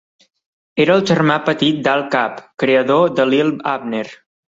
Era el germà petit d'Al Capp, creador de "Li'l Abner".